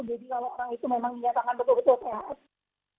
jadi kalau orang itu memang menyatakan betul betul sehat